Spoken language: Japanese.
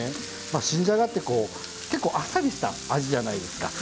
まあ新じゃがってこう結構あっさりした味じゃないですか。